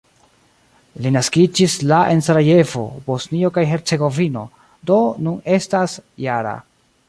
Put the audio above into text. Li naskiĝis la en Sarajevo, Bosnio kaj Hercegovino, do nun estas -jara.